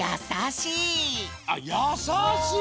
あっ「やさしい」！